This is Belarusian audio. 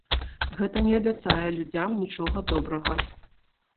Гэта не абяцае людзям нічога добрага.